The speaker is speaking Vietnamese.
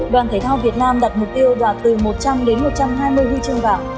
đoàn thể thao việt nam đặt mục tiêu đoạt từ một trăm linh đến một trăm hai mươi huy chương vàng